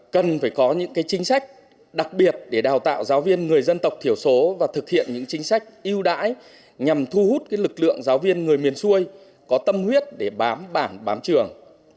cần phải có những chính sách đặc biệt để đào tạo giáo viên người dân tộc thiểu số và thực hiện những chính sách yêu đãi nhằm thu hút lực lượng giáo viên người miền xuôi có tâm huyết để bám bảng bám trường